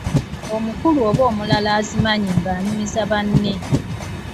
Omukulu oba omulala azimanyi ng'anyumiza banne.